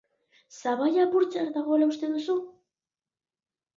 Sabaia apurtzear dagoela uste duzu?